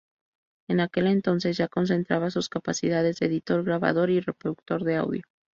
En aquel entonces ya concentraba sus capacidades de editor, grabador y reproductor de audio.